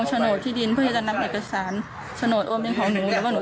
วันต่อไปกลัวผิดอยู่